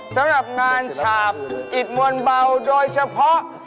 สำหรับงานฉาบอิดมวลเบาโดยเฉพาะ